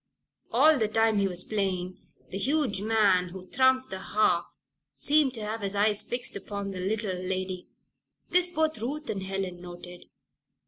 All the time he was playing the huge man who thrummed the harp seemed to have his eyes fixed upon the little lady. This both Ruth and Helen noted.